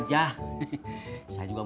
terima kasih bang